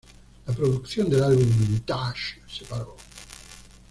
La producción del álbum "Vintage" se paró.